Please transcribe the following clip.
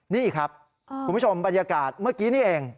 นี่ครับคุณผู้ชมบรรยากาศเมื่อกี้นี่เอง